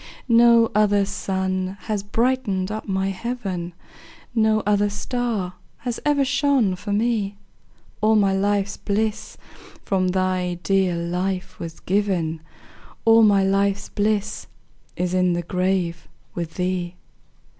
No other sun has brightened up my heaven, No other star has ever shone for me; All my life's bliss from thy dear life was given, All my life's bliss is in the grave with thee.